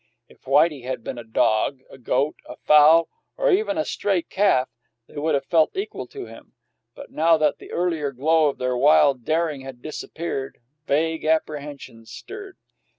If Whitey had been a dog, a goat, a fowl, or even a stray calf, they would have felt equal to him; but now that the earlier glow of their wild daring had disappeared, vague apprehensions stirred.